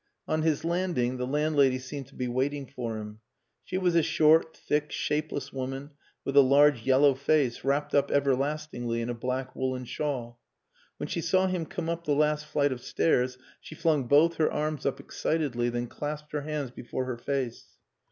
On his landing the landlady seemed to be waiting for him. She was a short, thick, shapeless woman with a large yellow face wrapped up everlastingly in a black woollen shawl. When she saw him come up the last flight of stairs she flung both her arms up excitedly, then clasped her hands before her face.